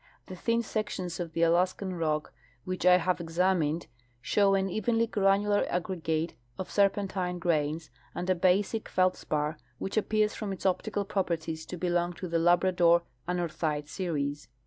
The thin sections of the Alaskan rock which I have examined show an evenly granular aggregate of serpentine grains and a basic feldspar, which appears from its optical properties to belong to the labrador anorthite series.